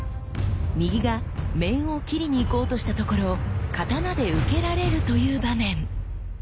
右が面を斬りにいこうとしたところ刀で受けられるという場面。